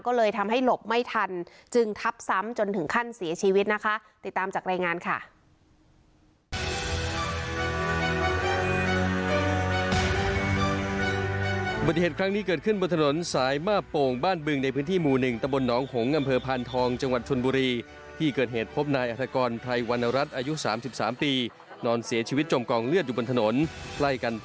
ก็เลยทำให้หลบไม่ทันจึงทับซ้ำจนถึงขั้นเสียชีวิตนะคะ